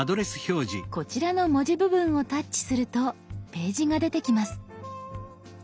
こちらの文字部分をタッチするとページが出てきます。